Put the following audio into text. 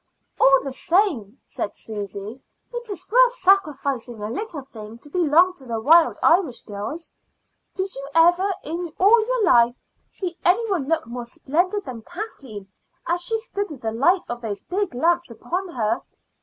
"All the same," said Susy, "it is worth sacrificing a little thing to belong to the Wild Irish Girls. Did you ever in all your life see any one look more splendid than Kathleen as she stood with the light of those big lamps upon her?